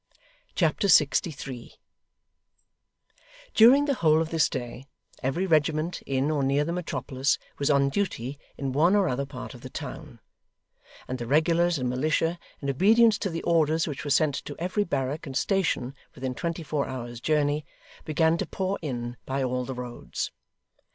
Chapter 63 During the whole of this day, every regiment in or near the metropolis was on duty in one or other part of the town; and the regulars and militia, in obedience to the orders which were sent to every barrack and station within twenty four hours' journey, began to pour in by all the roads.